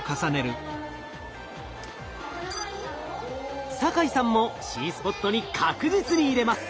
酒井さんもＣスポットに確実に入れます。